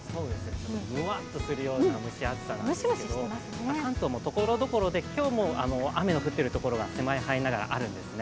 むわっとするような蒸し熱さなんですけど、関東もところどころで雨の降っているところが狭い範囲ではありますがあるんですね。